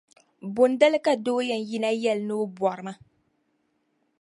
Bondali ka doo yɛn yina n-yɛli ni o bɔrima.